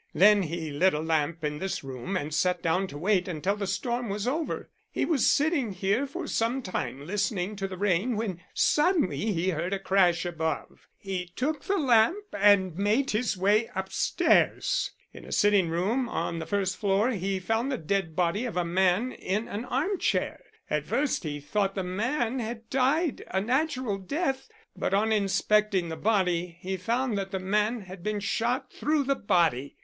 Then he lit a lamp in this room and sat down to wait until the storm was over. He was sitting here for some time listening to the rain when suddenly he heard a crash above. He took the lamp and made his way upstairs. In a sitting room on the first floor he found the dead body of a man in an arm chair. At first he thought the man had died a natural death, but on inspecting the body he found that the man had been shot through the body.